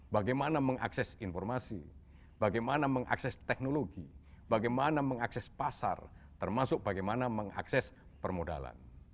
bagaimana mengakses informasi bagaimana mengakses teknologi bagaimana mengakses pasar termasuk bagaimana mengakses permodalan